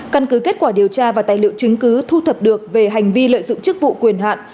căn cứ kết quả điều tra và tài liệu chứng cứ thu thập được về hành vi lợi dụng chức vụ quyền hạn